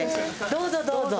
どうぞどうぞ。